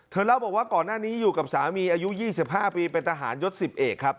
เล่าบอกว่าก่อนหน้านี้อยู่กับสามีอายุ๒๕ปีเป็นทหารยศ๑๐เอกครับ